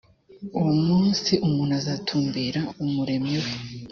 uwo munsi umuntu azatumb ra umuremyi we